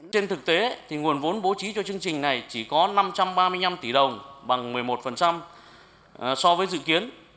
trên thực tế nguồn vốn bố trí cho chương trình này chỉ có năm trăm ba mươi năm tỷ đồng bằng một mươi một so với dự kiến